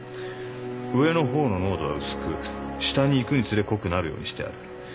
上のほうの濃度は薄く下にいくにつれ濃くなるようにしてある。